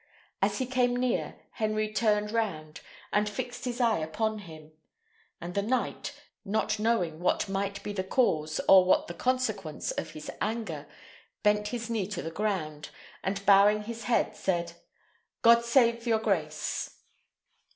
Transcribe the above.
As he came near, Henry turned round, and fixed his eye upon him; and the knight, not knowing what might be the cause or what the consequence of his anger, bent his knee to the ground, and bowing his head, said, "God save your grace!"